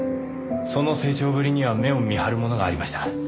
その成長ぶりには目を見張るものがありました。